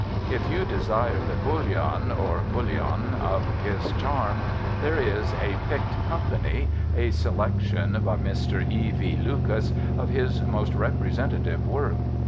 If you desire the bouillon (or bullion) of his charm, there is A Picked Company, a selection (by Mr. E. V. Lucas) of his most representative work.